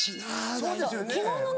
そうですよね。